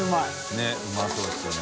ねぇうまそうですよね。